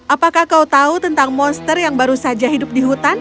apakah kau tahu tentang monster yang baru saja hidup di hutan